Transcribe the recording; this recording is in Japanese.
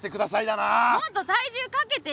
もっと体重かけてよ！